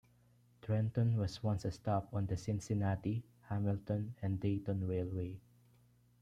Trenton was once a stop on the Cincinnati, Hamilton and Dayton Railway.